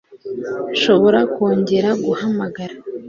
Nshobora kongera guhamagara